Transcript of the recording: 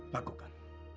pak aku kan